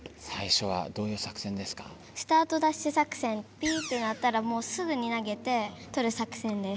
ピーってなったらもうすぐに投げてとる作戦です。